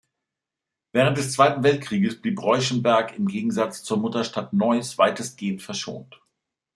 Während des Zweiten Weltkrieges blieb Reuschenberg im Gegensatz zur Mutterstadt Neuss weitestgehend verschont.